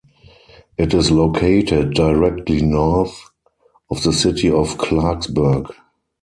It is located directly north of the city of Clarksburg.